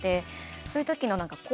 そういう時の。